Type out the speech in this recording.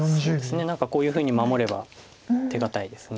何かこういうふうに守れば手堅いです。